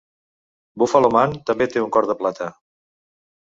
"Buffalo Man" també té un cor de plata.